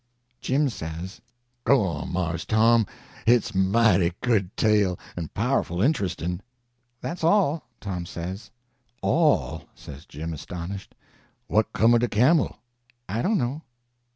Jim says: "Go on, Mars Tom, hit's a mighty good tale, and powerful interestin'." "That's all," Tom says. "All?" says Jim, astonished. "What 'come o' de camel?" "I don't know."